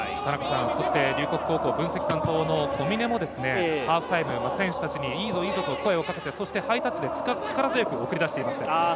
龍谷高校・分析担当の小峰も選手たちに、いいぞ！と声をかけて、ハイタッチで力強く送り出していました。